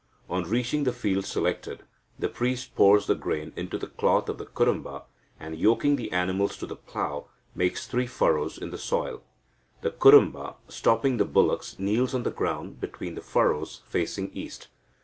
On reaching the field selected, the priest pours the grain into the cloth of the Kurumba, and, yoking the animals to the plough, makes three furrows in the soil. The Kurumba, stopping the bullocks, kneels on the ground between the furrows, facing east.